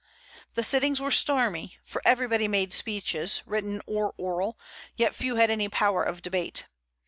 The sittings were stormy; for everybody made speeches, written or oral, yet few had any power of debate.